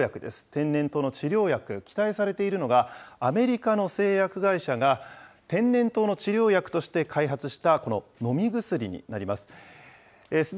天然痘の治療薬、期待されているのが、アメリカの製薬会社が天然痘の治療薬として開発した、この飲み薬になります。